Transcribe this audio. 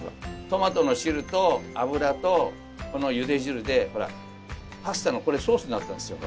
トマトの汁と油とこのゆで汁でほらパスタのソースになったんですよ。